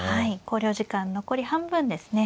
考慮時間残り半分ですね。